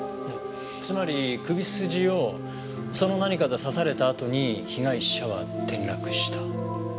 つまり首筋をその何かで刺されたあとに被害者は転落した。